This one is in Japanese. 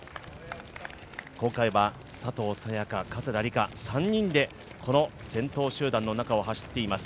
今回は佐藤早也伽、加世田梨花、３人でこの先頭集団の中を走っています。